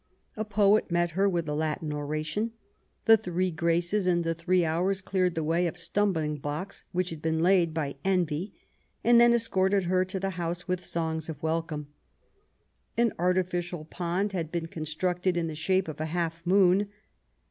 A poet met her with a Latin oration. The three Graces and the three Hours cleared the way of stumbling blocks which had been laid by Envy, and then escorted her to the house with songs of welcome. An artificial pond had been constructed in the shape of a half moon.